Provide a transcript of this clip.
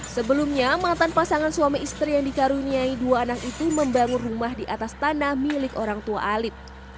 sebelumnya mantan pasangan suami istri yang dikaruniai dua anak itu membangun rumah di atas tanah milik orang tua alip